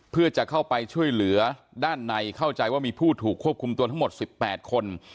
เพื่อจะเข้าไปช่วยเหลือด้านในเข้าใจว่ามีผู้ถูกควบคุมตัวทั้งหมด๑๘คน